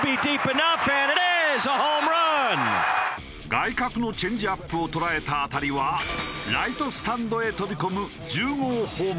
外角のチェンジアップを捉えた当たりはライトスタンドへ飛び込む１０号ホームラン。